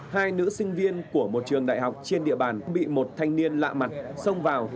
hai nữ sinh viên của một trường đại học trên địa bàn bị một thanh niên lạ mặt xông vào